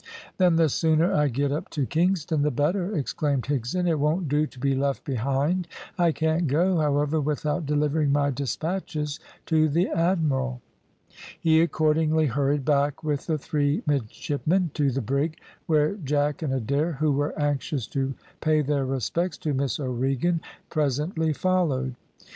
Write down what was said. "Then the sooner I get up to Kingston the better," exclaimed Higson. "It won't do to be left behind. I can't go, however, without delivering my despatches to the admiral." He accordingly hurried back with the three midshipmen to the brig, where Jack and Adair, who were anxious to pay their respects to Miss O'Regan, presently followed.